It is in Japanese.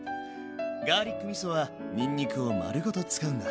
ガーリックみそはにんにくを丸ごと使うんだ。